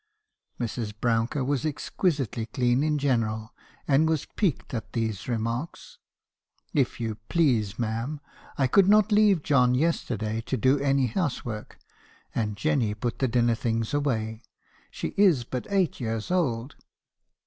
" Mrs. Brouncker was exquisitely clean in general, and was piqued at these remarks. "' If you please, ma'am , I could not leave John yesterday to do any house work , and Jenny put the dinner things away. She is but eight years old.'